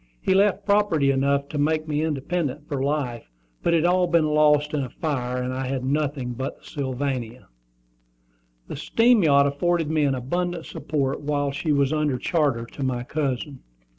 He left property enough to make me independent for life, but it had all been lost by a fire, and I had nothing but the Sylvania. The steam yacht afforded me an abundant support while she was under charter to my cousin.